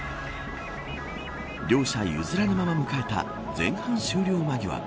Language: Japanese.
両者譲らぬまま迎えた前半終了間際。